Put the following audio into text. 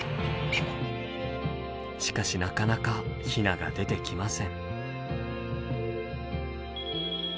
しかしなかなかヒナが出てきません。